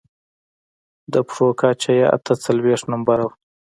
د پښو کچه يې اته څلوېښت نمبره وه.